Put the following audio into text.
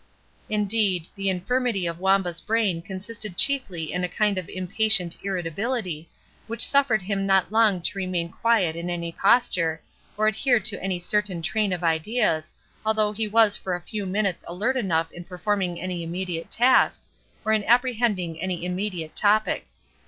Indeed, the infirmity of Wamba's brain consisted chiefly in a kind of impatient irritability, which suffered him not long to remain quiet in any posture, or adhere to any certain train of ideas, although he was for a few minutes alert enough in performing any immediate task, or in apprehending any immediate topic.